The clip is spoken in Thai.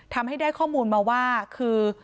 ทำให้ได้ข้อมูลมาว่าคือ